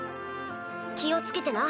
気を付けてな。